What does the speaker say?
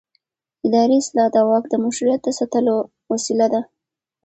اداري اصلاح د واک د مشروعیت د ساتلو وسیله ده